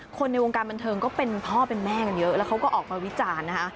คนในวงการบันเทิงก็เป็นพ่อเป็นแม่กันเยอะแล้วเขาก็ออกมาวิจารณ์นะคะ